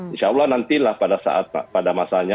insya allah nantilah pada saat pada masanya